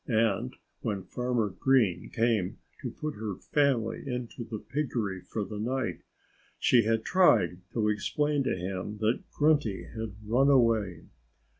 And when Farmer Green came to put her family into the piggery for the night she had tried to explain to him that Grunty had run away.